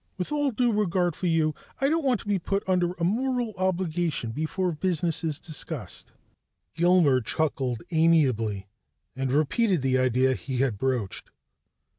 With all due regard for you, I don't want to be put under a moral obligation before business is discussed." Gilmer chuckled amiably and repeated the idea he had broached.